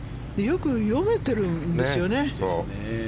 よく読めてるんですよね。